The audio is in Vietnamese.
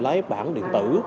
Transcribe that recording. lấy bản điện tử